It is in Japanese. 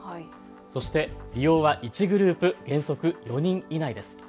そして利用は１グループ原則４人以内です。